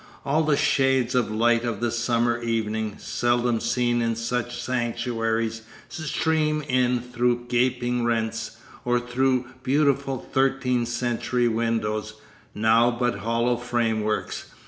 All the shades of light of the summer evening, seldom seen in such sanctuaries, stream in through gaping rents, or through beautiful thirteenth century windows, now but hollow frameworks.